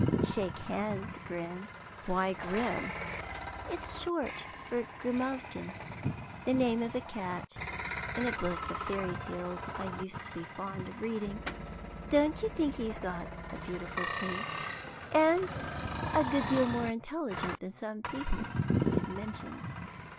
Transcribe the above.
Shake hands, Grim." "Why Grim?" "It's short for Grimalkin. The name of a cat in a book of fairy tales I used to be fond of reading. Don't you think he's got a beautiful face, and a good deal more intelligent than some people we could mention?